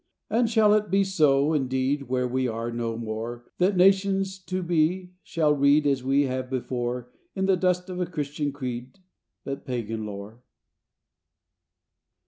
And shall it be so, indeed, When we are no more, That nations to be shall read, As we have before, In the dust of a Christian Creed, But pagan lore?